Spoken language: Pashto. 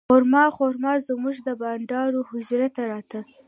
خرامان خرامان زموږ د بانډارونو حجرې ته راته.